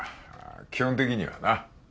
基本的にはな。